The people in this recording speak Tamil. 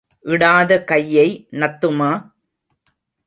இடாத கையை நத்துமா?